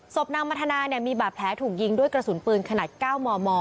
ศพนางมัธนามีบาดแผลถูกยิงด้วยกระสุนปืนขนาด๙มม